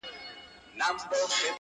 او بحثونه بيا راګرځي تل,